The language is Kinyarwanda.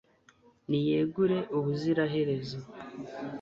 niyegure ubuziraherezo